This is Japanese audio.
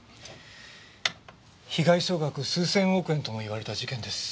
被害総額数千億円ともいわれた事件です。